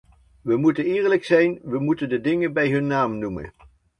We moeten eerlijk zijn, we moeten de dingen bij hun naam noemen.